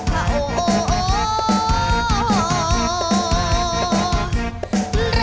คนเกี่ยว่ามันไม่เห็นซะ